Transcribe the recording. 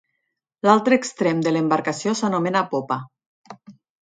L'altre extrem de l'embarcació s'anomena popa.